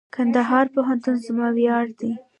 کندهار پوهنتون زما ویاړ دئ.